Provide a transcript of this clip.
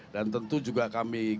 dan tentu juga kami gelonggaran